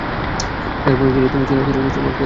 যার মানে চাইলে তোমার ছেলের ঘাড়ও মটকাতে পারি!